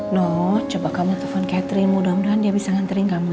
noh coba kamu telepon catherine mudah mudahan dia bisa nganterin kamu ya